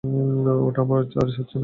ওটা আর হচ্ছে না।